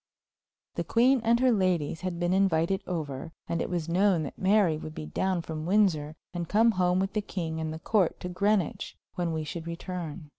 The queen and her ladies had been invited over, and it was known that Mary would be down from Windsor and come home with the king and the court to Greenwich when we should return.